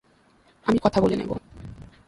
আমি কথা বলে নেবো।